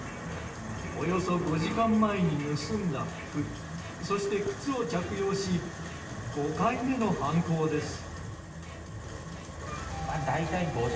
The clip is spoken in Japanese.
およそ５時間前に盗んだ服そして靴を着用し５回目の犯行です。